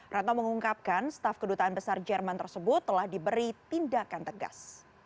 retno mengungkapkan staf kedutaan besar jerman tersebut telah diberi tindakan tegas